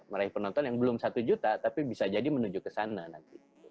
meraih penonton yang belum satu juta tapi bisa jadi menuju ke sana nanti